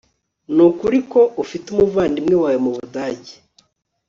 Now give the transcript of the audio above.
Nukuri ko ufite umuvandimwe wawe mubudage